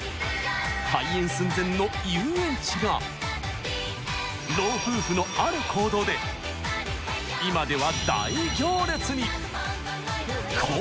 廃園寸前の遊園地が老夫婦のある行動で今では大行列に。